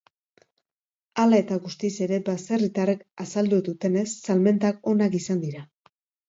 Hala eta guztiz ere, baserritarrek azaldu dutenez, salmentak onak izan dira.